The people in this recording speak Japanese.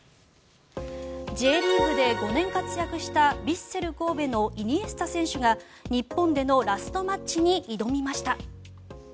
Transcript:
Ｊリーグで５年活躍したヴィッセル神戸のイニエスタ選手が日本でのラストマッチに挑みました。